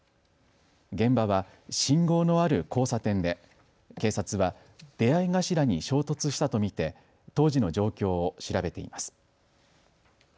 現場は信号のある交差点で警察は出会い頭に衝突したと見て当時の状況を調べています。